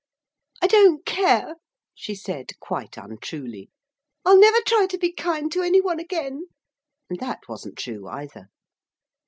'I don't care,' she said quite untruly. 'I'll never try to be kind to any one again.' And that wasn't true either.